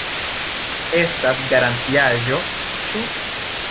Estas garantiaĵo, ĉu?